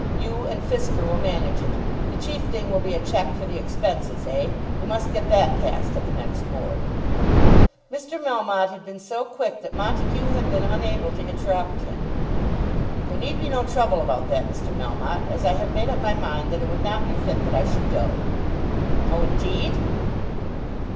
You and Fisker will manage it. The chief thing will be a cheque for the expenses; eh? We must get that passed at the next Board." Mr. Melmotte had been so quick that Montague had been unable to interrupt him. "There need be no trouble about that, Mr. Melmotte, as I have made up my mind that it would not be fit that I should go." "Oh, indeed!"